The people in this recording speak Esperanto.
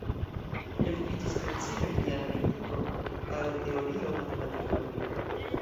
Li okupiĝis precipe pri analitiko, aroteorio, matematika logiko.